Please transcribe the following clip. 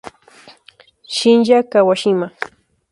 Shinya Kawashima